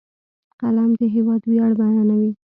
قلم د هېواد ویاړ بیانوي